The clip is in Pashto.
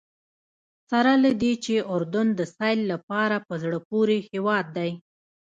سره له دې چې اردن د سیل لپاره په زړه پورې هېواد دی.